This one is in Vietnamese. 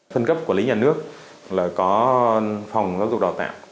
phân cấp quản lý nhà nước là có phòng giáo dục đào tạo